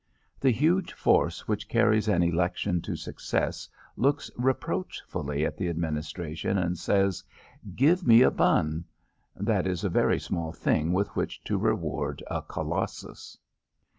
The huge force which carries an election to success looks reproachfully at the Administration and says, "Give me a bun." That is a very small thing with which to reward a Colossus.